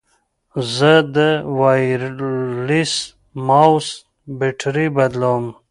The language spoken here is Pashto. زه د وایرلیس ماؤس بیټرۍ بدلوم.